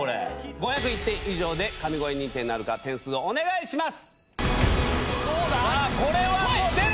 ５０１点以上で神声認定なるか、点数をお願いします。